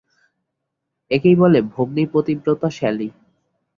একেই বলে ভগ্নীপতিব্রতা শ্যালী।